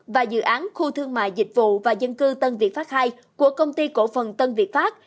và dự án khu thương mại dịch vụ và dân cư tân việt pháp ii của công ty cổ phần tân việt pháp